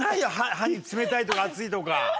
歯に冷たいとか熱いとか。